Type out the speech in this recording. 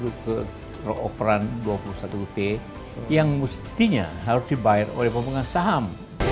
untuk overrun rp dua puluh satu yang mestinya harus dibayar oleh pembangunan saham